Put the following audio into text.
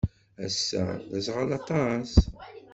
Ass-a, d aẓɣal aṭas.